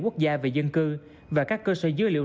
quốc gia về dân cư và các cơ sở dữ liệu